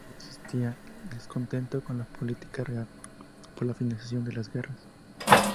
Primero, existía descontento con la política real por la financiación de las guerras.